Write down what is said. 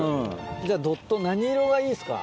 じゃドット何色がいいですか？